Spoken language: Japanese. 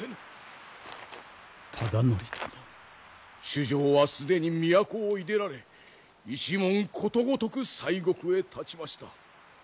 主上は既に都をいでられ一門ことごとく西国へたちました。